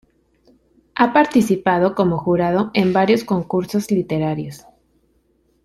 Ha participado como jurado en varios concursos literarios.